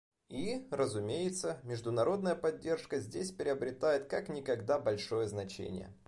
И, разумеется, международная поддержка здесь приобретает как никогда большое значение.